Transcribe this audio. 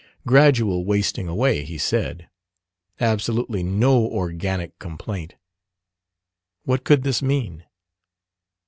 Gradual wasting away, he said: absolutely no organic complaint. What could this mean?